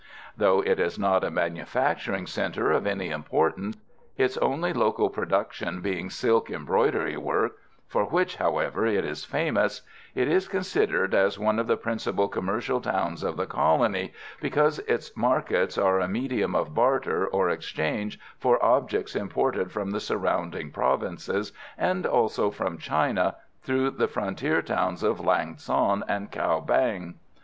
Though it is not a manufacturing centre of any importance, its only local production being silk embroidery work for which, however, it is famous it is considered as one of the principal commercial towns of the colony, because its markets are a medium of barter or exchange for objects imported from the surrounding provinces and also from China, through the frontier towns of Lang son and Cao Bang.